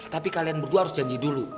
tapi kalian berdua harus janji dulu